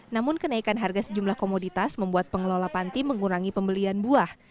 namun kenaikan harga sejumlah komoditas membuat pengelola panti mengurangi pembelian buah